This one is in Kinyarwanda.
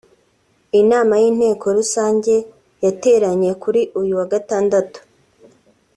Inama y’ Inteko rusange yateranye kuri uyu wa Gatandatu